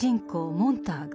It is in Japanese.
モンターグ。